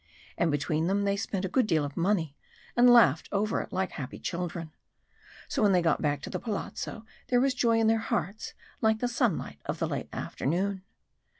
And between them they spent a good deal of money, and laughed over it like happy children. So when they got back to the palazzo there was joy in their hearts like the sunlight of the late afternoon.